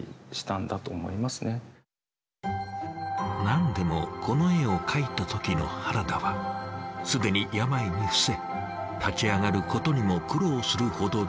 何でもこの絵を描いた時の原田は既に病に伏せ立ち上がることにも苦労するほどだったとか。